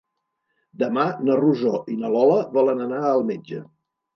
Demà na Rosó i na Lola volen anar al metge.